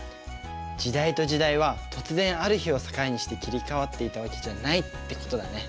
時代と時代は突然ある日を境にして切り替わっていたわけじゃないってことだね。